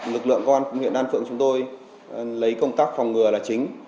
lực lượng quan huyện đan phượng chúng tôi lấy công tác phòng ngừa là chính